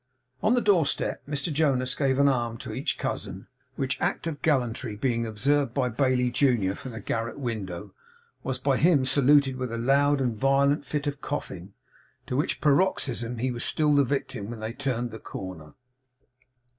On the doorstep, Mr Jonas gave an arm to each cousin; which act of gallantry being observed by Bailey junior, from the garret window, was by him saluted with a loud and violent fit of coughing, to which paroxysm he was still the victim when they turned the corner.